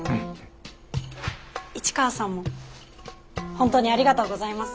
市川さんも本当にありがとうございます。